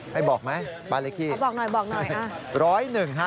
ไม่บอกไหมบ้านเล็กที่บอกหน่อยอ่ะ